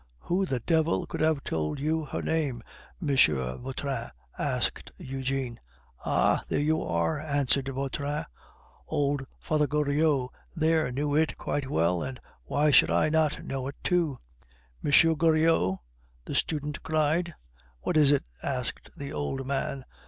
"Who the devil could have told you her name, M. Vautrin?" asked Eugene. "Aha! there you are!" answered Vautrin. "Old Father Goriot there knew it quite well! and why should I not know it too?" "M. Goriot?" the student cried. "What is it?" asked the old man.